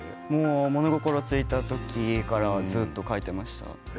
物心ついた時からずっと描いていました。